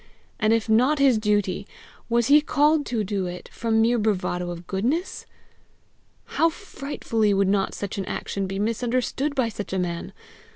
And if not his duty, was he called to do it from mere bravado of goodness? How frightfully would not such an action be misunderstood by such a man!